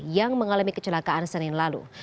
yang mengalami kecelakaan senin lalu